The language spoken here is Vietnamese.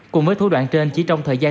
cùng với thủ đoạn trên chỉ trong thời gian